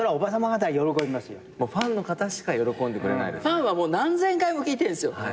ファンはもう何千回も聞いてるんですよ。